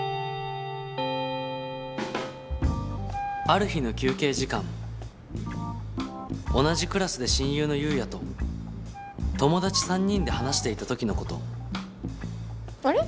ある日の休憩時間同じクラスで親友の優也と友達３人で話していたときのことあれ？